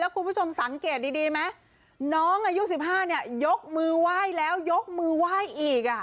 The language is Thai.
คุณผู้ชมสังเกตดีไหมน้องอายุ๑๕เนี่ยยกมือไหว้แล้วยกมือไหว้อีก